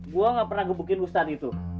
gue gak pernah gebukin ustadz itu